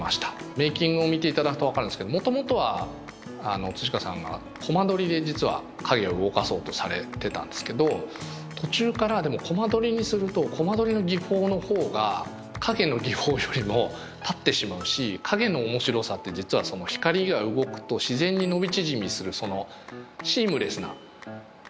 メーキングを見ていただくと分かるんですけどもともとは川さんがコマ撮りで実は影を動かそうとされてたんですけど途中からでもコマ撮りにするとコマ撮りの技法の方が影の技法よりも立ってしまうし影の面白さって実は光が動くと自然に伸び縮みするシームレスな変化。